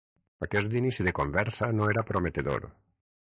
Aquest inici de conversa no era prometedor.